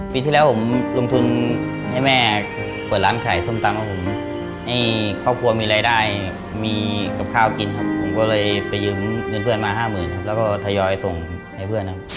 ปีที่แล้วผมลงทุนให้แม่เปิดร้านขายส้มตำของผมให้ครอบครัวมีรายได้มีกับข้าวกินครับผมก็เลยไปยืมเงินเพื่อนมาห้าหมื่นครับแล้วก็ทยอยส่งให้เพื่อนครับ